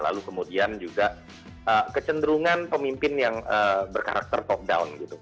lalu kemudian juga kecenderungan pemimpin yang berkarakter top down gitu